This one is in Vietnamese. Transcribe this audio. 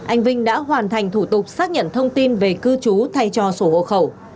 anh vinh đã hoàn thành thủ tục xác nhận thông tin về cư trú thay cho sổ hộ khẩu